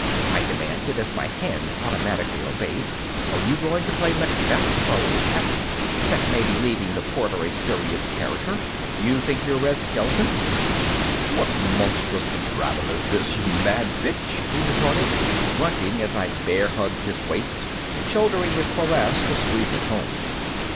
I demanded as my hands automatically obeyed. "Are you going to play Macbeth for laughs, except maybe leaving the Porter a serious character? You think you're Red Skelton?" "What monstrous brabble is this, you mad bitch?" he retorted, grunting as I bear hugged his waist, shouldering the cuirass to squeeze it home.